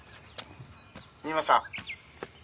「三馬さん？」